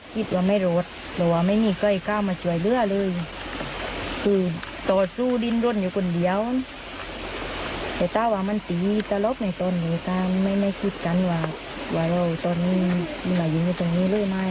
ก็น่าว่าก็มาเริ่มลำบวกมากว๊ะแต่ว่าไม่มีจับอะไรเลย